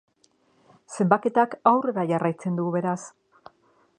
Zenbaketak aurrera jarraitzen du, beraz.